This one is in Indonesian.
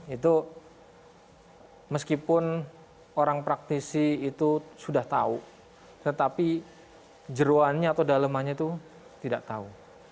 itu meskipun orang praktisi itu sudah tahu tetapi jeruannya atau dalemannya itu tidak tahu